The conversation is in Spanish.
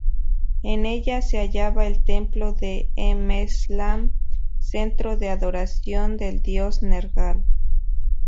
En ella se hallaba el templo de E-meslam, centro de adoración del dios Nergal.